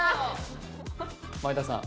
前田さん